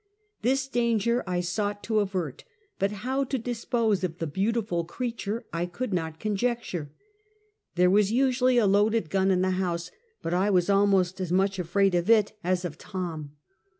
This danger I sought to avert, but how to dispose of the beautiful creature I could not conjecture. There was usually a loaded gun in the house, but I was almost as much afraid of it as of Tom.